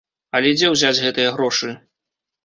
Але дзе ўзяць гэтыя грошы?